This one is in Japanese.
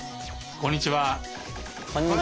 こんにちは。